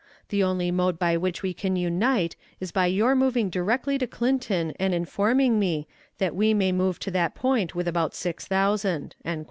The only mode by which we can unite is by your moving directly to Clinton and informing me, that we may move to that point with about six thousand."